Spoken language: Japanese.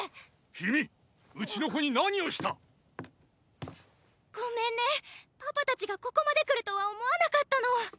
君うちの子に何をした⁉ごめんねパパたちがここまで来るとは思わなかったの。